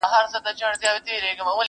ما خو داسي نه ویل چي خان به نه سې،